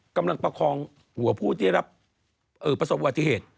ประคองหัวผู้ที่รับประสบวัติเหตุ